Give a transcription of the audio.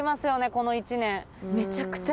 この１年。